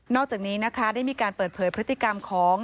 อกจากนี้นะคะได้มีการเปิดเผยพฤติกรรมของ